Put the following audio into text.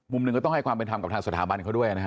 มุมหนึ่งก็ต้องให้ความเป็นธรรมกับทางสถาบันเขาด้วยนะฮะ